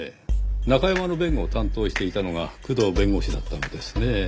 中山の弁護を担当していたのが工藤弁護士だったのですねぇ。